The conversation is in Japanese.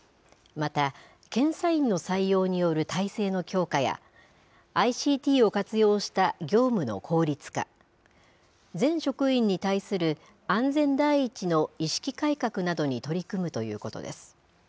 また、検査員の採用による体制の強化や、ＩＣＴを活用した業務の効率化、全職員に対する安全第一の意識改革などに取り組むということです。